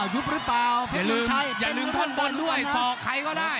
อย่าลืมก้อนบนด้วยสอกใครก็ได้